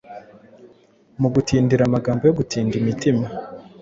Mugutindira amagambo yo gutinda imitima